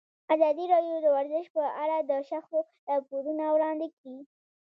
ازادي راډیو د ورزش په اړه د شخړو راپورونه وړاندې کړي.